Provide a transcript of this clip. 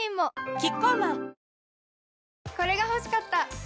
キッコーマンこれが欲しかった！